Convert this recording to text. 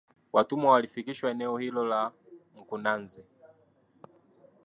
Watumwa walifikishwa eneo hilo la mkunazini